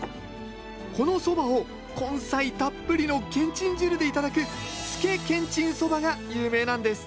このそばを根菜たっぷりのけんちん汁で頂くつけけんちんそばが有名なんです